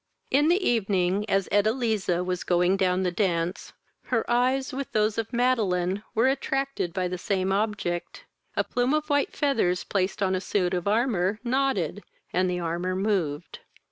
In the evening, as Edeliza was going down the dance, her eyes, with those of Madeline, were attracted by the same object, a plume of white feathers, placed on a suit of armour, nodded, and the armour moved.